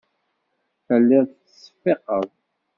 Telliḍ tettseffiqeḍ.